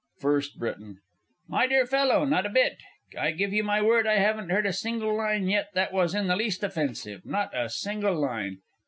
FIRST B. My dear fellow, not a bit! I give you my word I haven't heard a single line yet that was in the least offensive not a single line!